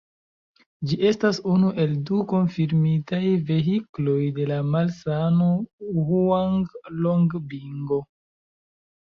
Ĝi estas unu el du konfirmitaj vehikloj de la malsano hŭanglongbingo.